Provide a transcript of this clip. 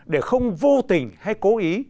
để không vô tình hay cố ý